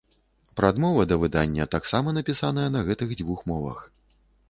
Прадмова да выдання таксама напісаная на гэтых дзвюх мовах.